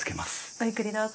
ごゆっくりどうぞ。